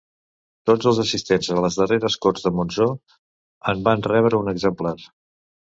Tots els assistents a les darreres Corts de Montsó en varen rebre un exemplar.